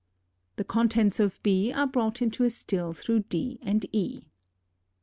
The contents of B are brought into a still through D and E.